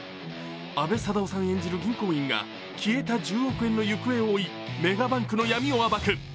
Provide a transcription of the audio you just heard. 阿部サダヲさん演じる銀行員が消えた１０億円の行方を追いメガバンクの闇を暴く。